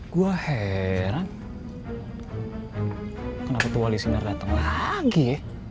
gua heran kenapa tuh wali sinar dateng lagi